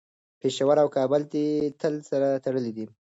پېښور او کابل تل سره تړلي دي.